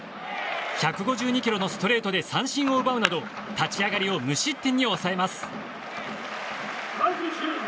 １５２キロのストレートで三振を奪うなど立ち上がりを無失点に抑えます。